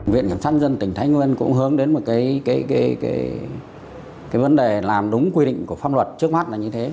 viện kiểm sát nhân dân tỉnh thái nguyên cũng hướng đến một cái vấn đề làm đúng quy định của pháp luật trước mắt là như thế